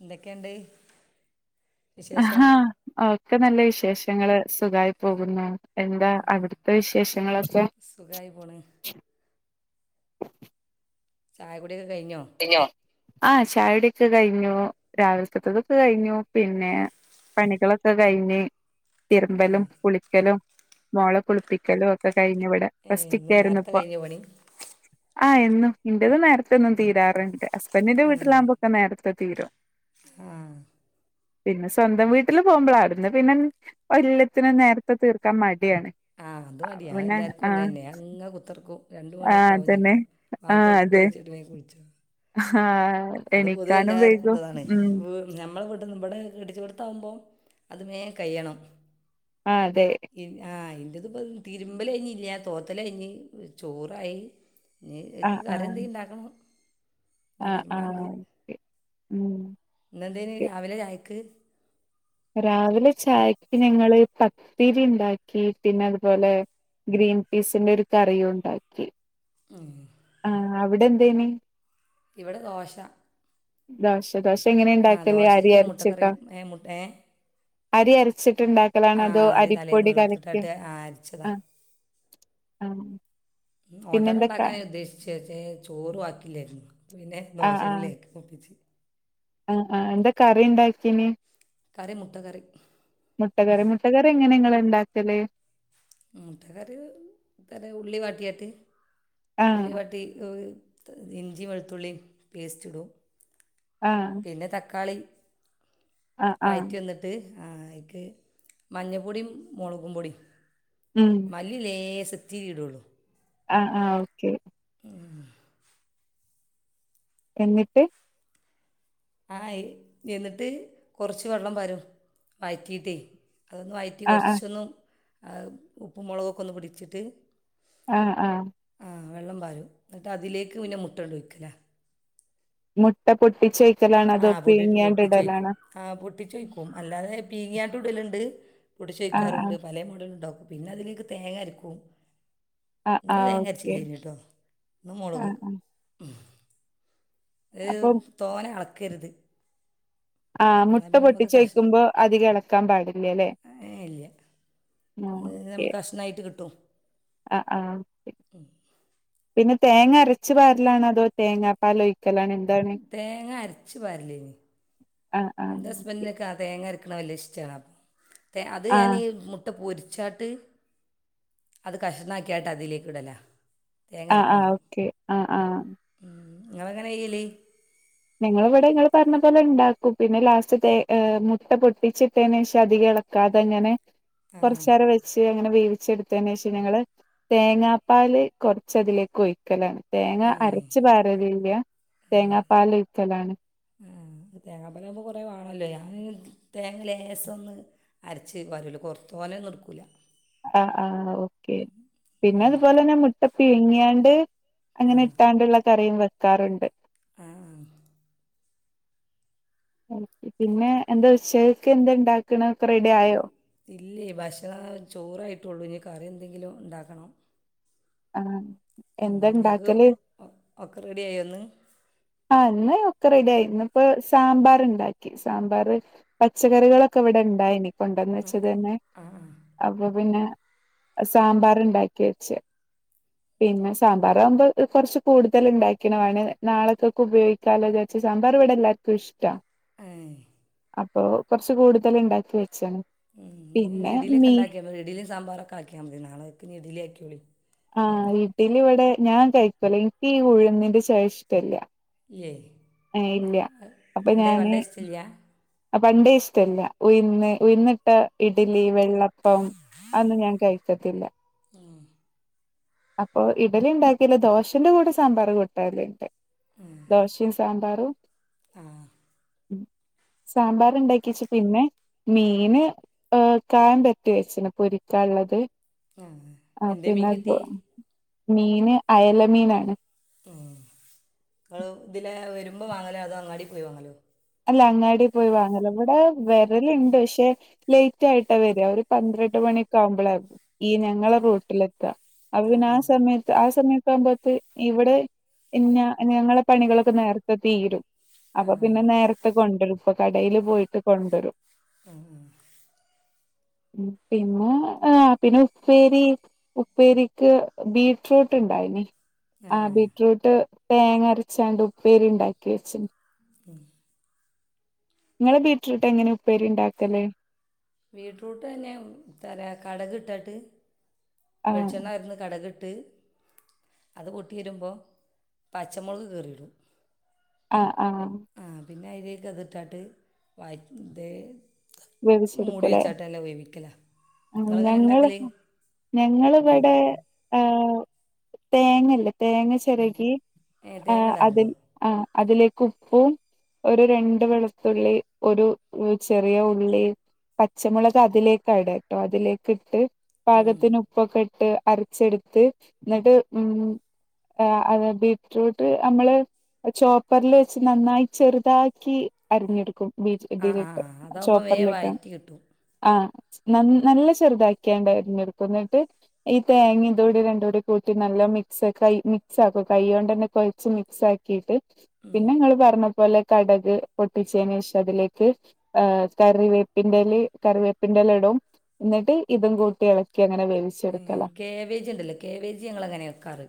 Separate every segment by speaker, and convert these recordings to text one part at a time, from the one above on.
Speaker 1: എന്തൊക്കെണ്ട്
Speaker 2: ആഹാ ഒക്കെ നല്ല വിശേഷങ്ങള് സുഖമായി പോകുന്നു എന്താ അവിടുത്തെ വിശേഷങ്ങളൊക്കെ
Speaker 1: സുഖമായി പോണ് ചായകു കുടിയൊക്കെ കയിഞ്ഞോ
Speaker 2: കഴിഞ്ഞോ? ആഹ് ചാടിക്കെ കയിഞ്ഞു രാവിലത്തെത്തൊക്കെ കയിഞ്ഞു പിന്നെ പണികളൊക്കെ കയിഞ് തിരുമ്പലും കുളിക്കലും മോളെ കുളിപ്പിക്കലും ക്കെ കഴിഞ് ഇവിടെ [inaudible]
Speaker 1: ഏ ഇന്ന് നേരത്തെ
Speaker 2: ആായിരുന്നുപ്പം
Speaker 1: കഴിഞ്ഞോ പണി
Speaker 2: ആഹ് എന്നും എന്റെ ത് നേരത്തെന്നും തീരാ റുണ്ട് പെണ്ണിന്റെ ന്റെ വീട്ടിലാകുമ്പോ ഒ ക്കെ നേരത്തെ തീരും
Speaker 1: ആഹ
Speaker 2: പിന്നെ സ്വന്തം വീട്ടിൽ പോകുമ്പോളാന്ന് പിന്നെ എല്ലാ ത്തിനും നേരത്തെ തീർക്കാൻ മടി
Speaker 1: ആ അതു മഡി യാ എല്ലാവർക്കും അങ്ങനെ തന്നെയ അങ്ങങ് കുത്തിഇരി ക്കും രണ്ട്‌ മണിയൊക്കെ
Speaker 2: ആഹ്
Speaker 1: ആകും
Speaker 2: അതന്നെ
Speaker 1: ചിലപ്പം വാങ്ങി കൊടുതിട്ടൊക്കെ കുളിക്കാൻ
Speaker 2: ആഹ
Speaker 1: അത് പൊതുവ എല്ലാവർക്കുംള്ളതാണ് നമ്മള് ഇവിടെ ഇവിടെ അടിച്ചു പടുത്താാവുമ്പോൾ അത് വേഗം കഴി യ ണം
Speaker 2: ആഹ് അതെ
Speaker 1: ഇ ആഹ് ഇ ഇത്പ്പോ തിരുമ്പല ഇല്ല തോത്തല് കഴിഞ്ഞു ഞ്ഞഞ് ചോറായി ഇനി ക്ക് കറി ഉണ്ടാക്കണം
Speaker 2: ആഹ
Speaker 1: എന്നെന്തായാലും
Speaker 2: ഓക്കെ.
Speaker 1: രാവിലേ ചായക്ക് ആ
Speaker 2: രാവിലെ ചായക്ക് ഞങ്ങള് പത്തിരി ഉണ്ടാക്കി പിന്നെ അതുപോലെ ഗ്രീൻ പീസിന്റെ ഒരു കറിയും ഉണ്ടാക്കി
Speaker 1: ഉം
Speaker 2: ആഹ അവിടെ എന്തേന്
Speaker 1: ഇവിടെ ദോശ
Speaker 2: ദാശ ദോശ എങ്ങനെ
Speaker 1: ആ
Speaker 2: ഉണ്ടാക്കല്േ അരി
Speaker 1: ദോശയ്ക്ക് മുട്ടക്കറി
Speaker 2: അരച്ചിട്ടോ
Speaker 1: ഏ മുട്ട ഏ
Speaker 2: അരി അരച്ചിട്ട് ഇണ്ടാക്കലാാണ്
Speaker 1: ആ
Speaker 2: അതോ
Speaker 1: അരി തലേന്ന്
Speaker 2: അരിപ്പൊടി കലക്കി
Speaker 1: വെള്ളത്തിലിട്ടിട്ട് അരച്ചതാ
Speaker 2: ആ പിന്നെ
Speaker 1: ഓട്ടട
Speaker 2: എന്തൊക്കാ
Speaker 1: ഉണ്ടാക്കാൻ ഉദ്ദേശിച്ച് പക്ഷേ ചോറ് വാർതീ ല്ലേരുന്നു ഉ പിന്നെ ദോശ എങ്ങനേലും ഒപ്പിച്ച്
Speaker 2: ആഹ ആ എന്താ കറി ഉണ്ടാക്കന്
Speaker 1: കറി മുട്ടക്കറി
Speaker 2: മുട്ടറി മുട്ടകറി എങ്ങനെയാനി ങ്ങള് ഉണ്ടാക്കലു
Speaker 1: മുട്ടക്കറി ത ഉള്ളി വാട്ടിയിട്ടു ഉള്ളി
Speaker 2: ആഹ്
Speaker 1: വാട്ടി ഇഞ്ചി വെളുത്തുള്ളി പേസ്റ്റിടും
Speaker 2: ആഹ്
Speaker 1: പിന്നെ തക്കാളി
Speaker 2: ആഹ് ആഹ്
Speaker 1: വഴട്ടി വന്നിട്ട് മഞ്ഞപ്പൊടിയും മുളകും പൊടിയും
Speaker 2: ഉം.
Speaker 1: മല്ലിലേശം ഇത്തിരിടോളു
Speaker 2: ആ ആ ഓക്കെ എന്നിട്ട്?
Speaker 1: ആഎന്നിട്ട് കുറച്ച് വെള്ളം വരും വഴറ്റിട്ടേ അതൊന്നും വയിറ്റി
Speaker 2: ആഹ് ആഹ്
Speaker 1: കുറച്ചൊന്നും ഉപ്പ് മുളകൊക്കെ ഒന്ന് പിടിച്ചിട്ട്
Speaker 2: ആഹ് ആഹ്
Speaker 1: ആ വെള്ളം പാലും എന്നിട്ട് അതിലേക്ക് പിന്നെ മുട്ടങ്ങട് വയ്ക്കല
Speaker 2: മുട്ട പൊട്ടിച്ച
Speaker 1: ആ പൊട്ടിട്ട് പൊട്ടിച്ചൊഴിക്കും ആ പൊട്ടിച്ചോഴിക്കും അല്ലാതെ ബീങ്ങാൻ ഉടലുണ്ട്
Speaker 2: ആഹ്
Speaker 1: പൊടിച്ചുയ്ക്കാറുണ്ട്
Speaker 2: ആഹ്
Speaker 1: പല മോഡല ഉണ്ടാക്കും പിന്നെ അതിലേക്ക് തേങ്ങ അരക്കും
Speaker 2: ആഹ്
Speaker 1: ഇന്ന്
Speaker 2: ആഹ് ഓക്കെ.
Speaker 1: തേങ്ങരച്ചില്ലേനിട്ടോ ഇന്ന് മുളക്
Speaker 2: ആഹ് ആഹ്
Speaker 1: ഏ
Speaker 2: അപ്പം
Speaker 1: തോനെ അളക്കരുത്
Speaker 2: ആഹ്
Speaker 1: എന്നാൽ
Speaker 2: മുട്ട
Speaker 1: പിന്നെ നമുക്ക് കഷ്
Speaker 2: പൊട്ടിച്ചോഴിക്കുമ്പോ അതികം ഇളക്കാൻ പാടില്ലല്ലേ
Speaker 1: ഏ ഇല്ല ഇത്
Speaker 2: ഓക്കേ
Speaker 1: നമുക്ക് കഷ്ണമായിട്ട് കിട്ടും
Speaker 2: ആ ആ പിന്നെ തേങ്ങ അരച്ചു പാറലാണ അതോ തേങ്ങാ പാലോ
Speaker 1: തേങ്ങ അരച്ചു പരലിനി
Speaker 2: ആഹ് ആഹ്
Speaker 1: എന്റെ
Speaker 2: ഓക്കെ.
Speaker 1: ഹസ്ബന്റിനോക്കാ തേങ്ങരിക്ക ക്കണ വല്ല്യഇഷ്ടാണ് അത് ഞാൻ
Speaker 2: ആഹ്
Speaker 1: ഈ മുട്ട പൊരി ഉച്ചാട്ട് അത് കഷർണാക്കിയായിട്ട് അതിലേക്ക് ഇടല
Speaker 2: ആഹ് ആഹ് ഓക്കെ ആഹ് ആഹ്
Speaker 1: നിങ്ങ അങ്ങനെ ചെയ്യല്?
Speaker 2: ഞങ്ങ ഇവിടെ ങ്ങള്ൾ പറഞ്ഞ പോലെ ഉണ്ടാക്കൂ പിന്നെ ലാസ്റ്റ് ത ഏ മുട്ട പൊട്ടിച്ചിട്ടേന് ശശം അധിക ഇളക്കാം അതങ്ങനെ കുറച്ച നേരം വെച്ച് അങ്ങനെ വേവി എടുത്തെന്റെഷം ഞങ്ങള് തേങ്ങാപ്പാൽ കുറച്ച് അതിലേക്ക് ഒഴിക്കലാണ് തേങ്ങ
Speaker 1: ഏ
Speaker 2: അരച്ചു പാരല്ല തേങ്ങാ ക്കലാണ്
Speaker 1: ആ തേങ്ങാപ്പലാവുമ്പൾ കുറേ വേണമല്ലോ ഞാൻ തേങ്ങ ലേസംമഒന്ന് അരച്ച് പാരോള്ളു കുറ തോനെ ഒന്നും എടുക്കൂില്ല
Speaker 2: ആഹ ആഹ് ഓക്കെ പിന്നെ അതുപോലെന്നെ മുട്ട പീങ്ങിയണ്ട് അങ്ങനെ ഇട്ടാണ്ടുള്ള കറും വെക്കാറുണ്ട്
Speaker 1: ആ ആഹ്
Speaker 2: പിന്നെ എന്താ ഉച്ചക്ക് എന്താ ഉണ്ടാക്കണ
Speaker 1: ഉം ഇല്ലേ ഭക്ഷണം ചോറായിട്ടുള്ളു ഇനി കറിയ എന്തെങ്കിലും ഉണ്ടാക്കണം
Speaker 2: ആഹ്
Speaker 1: ഉം
Speaker 2: എന്താ
Speaker 1: ഞങ്ങക്ക്
Speaker 2: ഇണ്ടാക്കല്
Speaker 1: ഒക്കെ റെഡി ആയി ഒന്ന്
Speaker 2: ആ ഇന്ന് ഒക്കെ റെഡി ആയി ഇന്നിപ്പോ സാമ്പാർ ഉണ്ടാക്കി സാമ്പാർ പച്ചക്കറികളൊക്കെ ഇവിടെ ഇണ്ടായിന് കൊണ്ടന്ന് വെച്ചത് തന്നെ അപ്പൊ പിന്നെ സാമ്പാർ ഉണ്ടാക്കി വെച്ച് പിന്നെ സാമ്പാറാകുമ്പോൾ കുറച്ച് കൂടുതൽ ഉണ്ടാക്കണാണ് നാളൊക്കെ ഉപയോഗിക്കാലോന്ന് വിചാരിച്ച് സാമ്പാർ ഇവിടെ എല്ലാർക്കും ഇഷ്ട
Speaker 1: ഏയ്
Speaker 2: അപ്പോ കുറച്ചു കൂടുതൽ ഉണ്ടാക്കി വെച്ചാണ്
Speaker 1: ഉം
Speaker 2: പിന്നെ മീ
Speaker 1: ഇഡലിക്കണ്ടാക്കിയാ മതി ഇഡലി സാമ്പാറൊക്കെ ആക്കിയാൽ മതി നാളെക്കി ഇനി ഇഡിലി ആക്കോളി
Speaker 2: ആ വീട്ടില് ഇവിടെ ഞാൻ കഴിക്കൂല എനിക്ക് ഈ ഉഴുന്നിന്റെ ചൊയ ഇഷ്ടല്ല
Speaker 1: ല്ലേ
Speaker 2: ആ ഇല്ല അപ്പൊ ഞാന്
Speaker 1: ഇഷ്ടമില്ല
Speaker 2: ആ പണ്ടേ ഇഷ്ടല്ല ഉയ്ന്ന് ഉയന്നിട്ട ഇഡലി വെ വെള്ളപ്പം അതെന്നും ഞാൻ കഴിക്കത്തില്ല അപ്പൊ ഇഡലി ഉണ്ടാക്കില്ല ദോശന്റെ കൂടെ സാമ്പാർ കൂട്ടലുണ്ട് ദോശയും സാമ്പാറും ഉം സാമ്പാർ ഉണ്ടാക്കി വെച്ച് പിന്നെ മീന് ഏ കായൻ പെരറ്റിവച്ചിന് പൊരിക്കാൻ ഉള്ളത്
Speaker 1: ആ എന്തേ മീൻ കിട്ടിയെ
Speaker 2: മീന് അയല മീനാണ്
Speaker 1: ഉം നിങ്ങള് ഇതില വരുമ്പോ വാങ്ങലോ അതോ അങ്ങാടി പോയി വാങ്ങലോ
Speaker 2: അല്ല അങ്ങാടി പോയി വാങ്ങല ഇവിടെ വെരലുണ്ട് പക്ഷെ ലേറ്റ് ആയിട്ടാ വരിക ഒരു പന്ത്രണ്ട് മണിയൊക്കെ ആവുമ്പോളാ ഈ ഞങ്ങളെ റൂട്ടിലെത്തുക അത് ആ സമയത്ത് ആ സമയത്ത് ആ സമയത്ത് ഇവിടെ ഇ ഞങ്ങളെ പണികളൊക്കെ നേരത്തെ തീരും അപ്പൊ പിന്നെ നേര ഇപ്പൊ കടയില് പോയിട്ട് കൊണ്ടുവരും
Speaker 1: മ്
Speaker 2: പിന്നെ ആ പിന്നെ ഉപ്പേരി ഉപ്പേരിക്ക് ബീട്ട്റൂട്ട് ഉണ്ടായിന്
Speaker 1: ആ ആ.
Speaker 2: ആ് ബീറ്റ്റൂട്ട് തേങ്ങരച്ചാണ്ട് ഉപ്പേരി ഉണ്ടാക്കി വെച്ചിണ്ട്
Speaker 1: പി [unintelligible]
Speaker 2: നിങ്ങളെ വീട്ടിലിട്ട് എങ്ങനെ ഉപ്പേരി ഉണ്ടാക്കലേ
Speaker 1: ബീറ്റ്റൂട്ട് തന്നെ കടക് ഇട്ടിട
Speaker 2: ആഹ്
Speaker 1: വെളിച്ചെണ്ണായിരുന്നു കടകിട്ട് ട്ട് അത് പൊട്ടി വരുമ്പോൾ പച്ചമുളക് കീറിടും
Speaker 2: ആഹ ആഹ
Speaker 1: പിന്നെ അതിലൊക്കെതിട്ടായിട്ട് വായിത
Speaker 2: ഉപോഗിച്ചെടുക്കല്ലേ ആ
Speaker 1: നിങ്ങളെങ്ങനെ
Speaker 2: ഞങ്ങ
Speaker 1: ഉണ്ടാക്കല്
Speaker 2: ഞങ്ങള് ഇവിടെ ഹ് തേങ്ങല്ലേ തേങ്ങ ചിരകി
Speaker 1: ഏ
Speaker 2: ആ
Speaker 1: തേങ്ങ
Speaker 2: അതി
Speaker 1: ഇടാറുണ്ടോ
Speaker 2: ആ അതിലേക്ക് ഉപ്പും ഒരു രണ്ട് വെളുത്തുള്ളി ഒരു ചെറിയ പള്ളി പച്ചമുളക് അതിലേക്ക ഇട കേട്ടോ അതിലേക്ക ഇട്ട്
Speaker 1: ഉം
Speaker 2: പാകത്തിന് ഉപ്പൊക്കെ ഇട്ട് അരച്ചെടുത്ത് എന്നിട്ട് അ ബീറ്റ്റൂട്ട് നമ്മള് ചോപ്പറിൽ വെച്ച് നന്നായി ചെറുതാക്കി അരിഞ്ഞെടുക്കും ബീഫ്
Speaker 1: ആ ആ ആ
Speaker 2: ഇതിലിട്ട്
Speaker 1: അതാകുമ്പോൾ
Speaker 2: ചോപ്പ്
Speaker 1: വേഗം
Speaker 2: പറലക്ക
Speaker 1: വഴറ്റി കിട്ടും
Speaker 2: ആഹ ന നല്ല ചെറുതാക്കിയണ്ടായിരുന്നുക്ക എന്നിട്ട് ഈ തേങ്ങ ഇതൂടി രണ്ട കൂടി കൂട്ടി നല്ല മിക്സ് കൈ മിക്സ് ആക്കും കൈ കൊണ്ട് തന്നെ കൊഴച്ച് മിക്സ് ആക്കിട്ട് പിന്നെ നിങ്ങള് പറഞ്ഞ പലെ കടക് പൊട്ടിച്ചതിന് ശേഷം അതിലേക്ക് ഹ കറിവേപ്പിന്റെല കറിവേപ്പിന്റെല ഇടവും എന്നിട്ട് ഇതും കൂട്ടി ഇളക്കി അങ്ങനെ വ
Speaker 1: കാവേജ് ഉണ്ടല്ലോ കാവേജ് ഞങ്ങ അങ്ങനെ വെക്കാറ്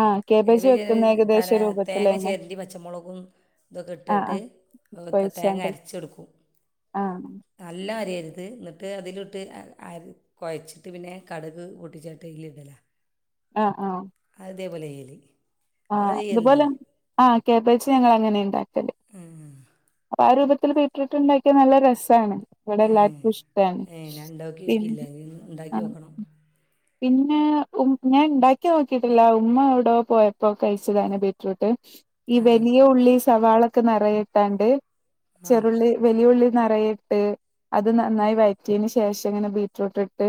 Speaker 2: ആഹ്
Speaker 1: കേവ
Speaker 2: കേബേജ് വെക്കുന്ന ഏകദേശ
Speaker 1: ത തേങ്ങ
Speaker 2: രൂപത്തിലന്നെ
Speaker 1: ചേരണ്ടി പച്ചമുളകും ഇതൊക്കെ
Speaker 2: ആഹ്
Speaker 1: ഇട്ടിട്ട്
Speaker 2: ആഹ്
Speaker 1: തേങ്ങ
Speaker 2: കൊഴിച്ചാണ്ട്
Speaker 1: അരച്ചെടുക്കും
Speaker 2: ആഹ്
Speaker 1: നല്ല അരയരുത് എന്നിട്ട് അതിലിട്ട് അരി കുഴച്ചിട്ട് പിന്നെ കടുക് പൂട്ടിച്ചേട്ട ഇൽ ഇടല
Speaker 2: ആഹ ആഹ
Speaker 1: അതേപോലെ എലി
Speaker 2: ആ അതുപോലെ ആ കേബച്ച ഞങ്ങൾ അങ്ങനെ ഉണ്ടാക്കി അപ്പൊ ആ രൂപത്തിൽ ത്തിൽ ബീറ്റ്റൂട്ട് ഇണ്ടാക്കിയ നല്ല രസമാണ് ഇവിടെ
Speaker 1: ഏ
Speaker 2: എല്ലാർക്കും ഇഷ്‌ടവാണ്
Speaker 1: ഏ ഞാൻ ഉണ്ടാക്കി
Speaker 2: പിന്നെ
Speaker 1: നോക്കിയില്ല ഇനി ഒന്ന്
Speaker 2: ആ
Speaker 1: ഉണ്ടാക്കി നോക്കണം
Speaker 2: പിന്നെ ഉ ഞാൻ ഉണ്ടാക്കി നോക്കിട്ടില്ല ഉമ്മ എവിടെ പോയ പ്പൊ കഴിച്ചതാനെ ബീറ്റ്റൂട്ട് ഈ
Speaker 1: ആ
Speaker 2: വലിയ
Speaker 1: ആ
Speaker 2: ഉള്ളി സവാളൊക്കെ നിറയിട്ടാണ്ട് ചെറുള്ളി വലിയുള്ളി നിറയിട്ട് അത് നന്നായി വയറ്റിയന് ശേഷം ഇങ്ങനെ ബീറ്റ്റൂട്ട് ഇട്ട്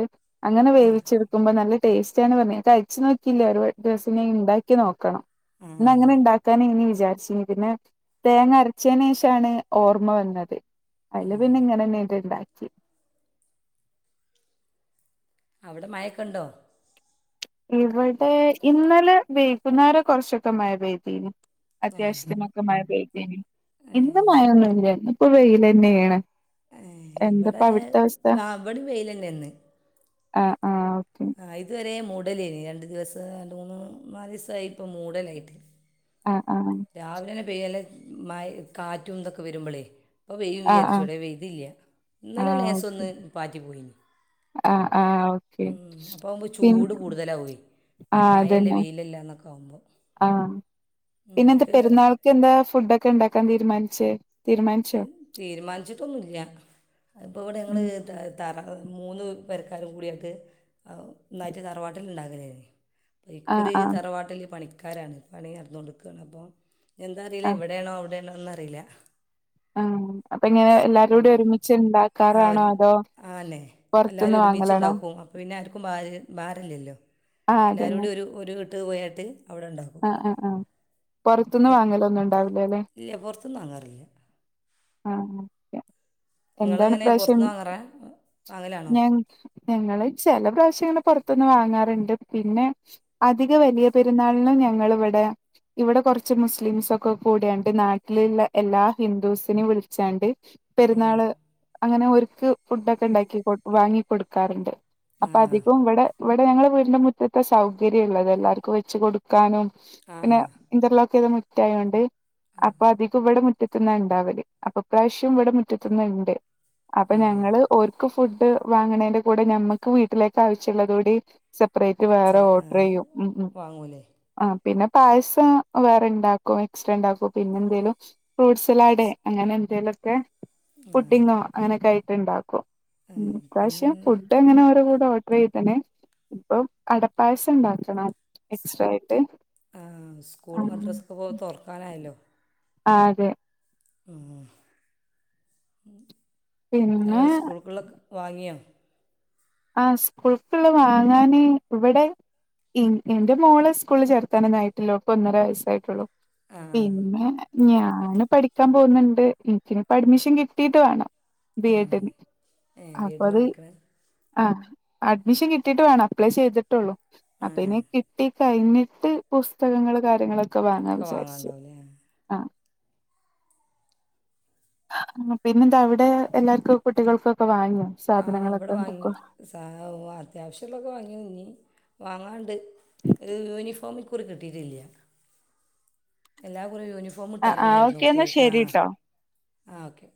Speaker 2: അങ്ങനെ
Speaker 1: ആ
Speaker 2: വേവിച്ചെടുക്കുമ്പോ നല്ല ടേസ്റ്റ് ആന്ന് പറഞ്ഞേ കഴിച്ച് നോക്കീല്ല ഒരു ദെവസം ഞാൻ ഇണ്ടാക്കി ക്കി നോക്കണം ന്നാ
Speaker 1: ആ
Speaker 2: അങ്ങനെ ഇണ്ടാക്കാന് ഇ വിചാരിച്ചിനി പിന്നെ തേങ്ങ അരച്ചേനേഷാണ് ഓർമ്മ വന്നത് അതില് പിന്നെ ഇങ്ങനെ എണീട്ടുണ്ടാക്കി ച്
Speaker 1: അവിടെ മയക്കുണ്ടോ
Speaker 2: ഇവിടെ ഇന്നലെ വൈകുന്നേര കുറച്ചൊക്കെ മഴ പെയ്തീനി
Speaker 1: ഏ
Speaker 2: അത്യാവശ്യത്തിനൊക്കെ മഴ പെയ് ഇന്നു
Speaker 1: ഏ
Speaker 2: മയൊന്നുമില്ല ഇന്നിപ്പൊ വെയിലന്നെയാണ്
Speaker 1: ഏ ഇവിടെ പാമ്പടി വെയിലന്നെന്ന്
Speaker 2: അ
Speaker 1: ആ ഇതുവരെ മൂട് ടല്ലേനി രണ്ടു ദിവസം രണ്ട് മൂന്ന് നാല് ദിവസമായി പ്പ മൂടലായിട്ട്
Speaker 2: ആഹ് ആഹ്
Speaker 1: രാവിലെന്നെ പെയ്യല്ലേ മയ കാറ്റും ഇതൊക്കെ വരുമ്പളേ പ്പോ പെയ്യും
Speaker 2: ആഹ്
Speaker 1: വിചാരിച്ചൂ വ്ടെ പെയ്തില്ല ഇന്നലെ ലേസം ഒന്ന് പാറ്റി പോയിനി
Speaker 2: ആ ആ ഓക്കെ
Speaker 1: ഉം, അപ്പോൾ ആകുമ്പോൾ
Speaker 2: പിൻ
Speaker 1: ചൂട് കൂടുതലാവുമേ
Speaker 2: ആ
Speaker 1: ഈ മഴയല്ലേ
Speaker 2: അതന്നെ
Speaker 1: [unintelligible]
Speaker 2: ആ പിന്നെ എന്താ
Speaker 1: എനിക്ക്
Speaker 2: പെരുന്നാൾക്ക് എന്താ ഫുഡ് ഒക്കെ ഉണ്ടാക്കാൻ തീരുമാനി ച്ചെ
Speaker 1: ത് തീരുമാനിച്ചിട്ടൊന്നുമില്ല അതിപ്പോൾ ഇവിടെ ഞങ്ങള്
Speaker 2: ഉം
Speaker 1: തറാ മൂന്ന് പെരക്കാരും കൂടിയായിട്ട് ഒന്നായിട്ട് തറവാട്ടില് ഇണ്ടാക്കാലെ
Speaker 2: ആഹ്
Speaker 1: ഇക്കുറി
Speaker 2: ആഹ്
Speaker 1: തറവാട്ടിൽ പണി ആൾക്കാരാണ് പണി നടന്നോണ്ടിക്കാണ് അപ്പൊ ഇതെന്താറിയില്ല ഇവിടെയാണോ അവിടെയാണോ ഒന്നു അറിയില്ല
Speaker 2: ആ അപ്പൊ പിന്നെ എല്ലാരൂടെ ഒരുമി സിംബാക്കാറാണോ അതോ
Speaker 1: എല്ലാരും
Speaker 2: പുറത്തുന്ന്
Speaker 1: ഒരുമിച്ച്
Speaker 2: വാങ്ങലാണോ
Speaker 1: ഇണ്ടാക്കും അപ്പപിന്നെ ആർ ഇപ്പൊ ബാര് ബാറില്ലല്ലോ എല്ലാരൂടി ഒരു ഒരു കെ [unintelligible]
Speaker 2: ആ ആ ആ പൊറത്തുന്ന് വാങ്ങലൊന്നും ഉണ്ടാവൂല അല്ലെ
Speaker 1: ഇല്ല പുറത്തൂന്ന് വാങ്ങാറില്ല നിങ്ങളെങ്ങനെ
Speaker 2: എന്താണിപ്രാവശ്യം
Speaker 1: പുറത്തുനിന്ന് വാങ്ങാറാ വാങ്ങലാണോ
Speaker 2: ഞാൻ പുറത്തുന്ന് വാങ്ങാറുണ്ട് പിന്നെ അധിക വലിയ പെരുന്നാളിനും ഞാ ങ്ങള് ഇവിടെ ഇവിടെ കുറച്ച് മുസ്ലിംസ് ഒക്കെ കൂടിയെണ്ട് നാട്ടിലുള്ള എല്ലാ ഹിന്ദുസിനേം വിളിച്ചാണ്ട്
Speaker 1: ആ
Speaker 2: പെരുന്നാള് അങ്ങനെ ഒരു ക്ക് ഫുഡൊക്കെ ഉണ്ടാക്കി കൊ വാങ്ങി കൊടുക്കാറുണ്ട് അപ്പോ അധികോം ഇവടെ ഇവിടെ ഞങ്ങളെ വീടിന്റെ മുറ്റത്തെ സൗകര്യം ഉള്ളതാ എല്ലാരിക്കും വെച്ച് കൊടുക്ക ക്കാനും
Speaker 1: ആ ആ
Speaker 2: പിന്നെ ഇന്റർലോക്ക് ചെയ്ത മു തൊഴാണ്ട് അപ്പൊ അധികം ഇവിടെ മുറ്റ ത്തുന്ന ഇണ്ടാവല് അപ്പൊ ഇപ്രാവശ്യവും ഇവിടെ മുറ്റത്തുന്നുണ്ട് അപ്പൊ
Speaker 1: ആ ആ
Speaker 2: ഞങ്ങള് ഓർക്കും ഫുഡ് വാങ്ങണേന്റെ കൂടെ ഞമ്മുക്ക് വീട്ടിലേക്ക് ആവശ്യമുള്ളത് കൂടി സെ പ്പറേറ്റ്
Speaker 1: സ
Speaker 2: വേറെ ഓർഡർ ചെയ്യും ഉം ഉം
Speaker 1: വാങ്ങൂലേ
Speaker 2: ആ പിന്നെ പായസം വേറെണ്ടാക്കും എക്സ്ട്രാണ്ടാക്കും പിന്നെ എന്തേലും ഫ്രൂട്ട്സലാഡ് അങ്ങനെ എന്തെലുമൊക്കെ
Speaker 1: ആ
Speaker 2: പുഡ്ഡിങ്ങോ അങ്ങനെ കഴി ഉണ്ടാക്കും
Speaker 1: ആ,
Speaker 2: ഉം
Speaker 1: ഇപ്പം ഇനി
Speaker 2: ഇപ്രാവശ്യം ഫുഡ് അങ്ങനെ ഓരോ [unintelligible] പ്പൊ ഓഡർ ചെയ്തെതന്നെ ഇപ്പൊ അടപ്പായസം ഉണ്ടാക്കണം എക്സ്ട്രാ ആയിട്ട്
Speaker 1: ആ സ്കൂൾ
Speaker 2: ആ
Speaker 1: മദ്രാസ്ക്ക് പോക തൊറക്കാനായല്ലോ
Speaker 2: ആ അതെ
Speaker 1: ആ ഹെ
Speaker 2: പിന്നെ
Speaker 1: സ്കൂൾക്ള്ളൊക് വാങ്ങിയോ
Speaker 2: ആ സ്കൂൾക്ള്ള് വാങ്ങാനേ ഇവിടെ ഇ എന്റെ മോളെ സ്കൂള് ചേർത്താനൊന്ന ആായിട്ടില്ലോ ഓൾക് ഒന്നര വയസ്സായിട്ടുള്ളൂ
Speaker 1: ആ
Speaker 2: പിന്നെ ഞാന് പഠിക്കാൻ പോകുന്നുണ്ട് എനിക്കനിപ്പോ അഡ്മിഷൻ കിട്ടീട്ട് വേണം
Speaker 1: ആ
Speaker 2: ബി എഡ്ഡ്
Speaker 1: ഏ ബീഡിന്
Speaker 2: അപ്പൊത്
Speaker 1: അടിക്കണ
Speaker 2: ആ അഡ്മിഷൻ കിട്ടിയിട്ട് വേണം അപ്ലൈ ചെയ്തിട്ടുള്ളൂ
Speaker 1: ആ
Speaker 2: അപ്പൊ
Speaker 1: ആ
Speaker 2: ഇനി കിട്ടി കഴിഞ്ഞിട്ട് പുസ്തകങ്ങള് കാര്യങ്ങളൊ ക്കെ
Speaker 1: ഒക്കെ
Speaker 2: വാങ്ങാവിചാരിച്ചു
Speaker 1: വാങ്ങാനുണ്ടാവുമല്ലേ ആ
Speaker 2: അ പിന്നെന്താ അവിടെ എല്ലാർക്കും കുട്ടികൾക്കൊക്കെ വാങ്യോ സാധനങ്ങളൊക്കെ
Speaker 1: ങ്ങി
Speaker 2: ബുക്ക്
Speaker 1: സാ ഒ വ അത്യാവശ്യള്ളൊക്കെ വാങ്ങി ഞ്ഞി വാങ്ങാണ്ട് ഹ് യൂനിഫോമി പ് ഇക്കുറി കിട്ടീട്ടില്ല എല്ലാകൂറീം യൂനി
Speaker 2: ആഹ് ആഹ് ഓക്കെ ന്നാശെരിട്ടോ
Speaker 1: ആ ഓക്കെ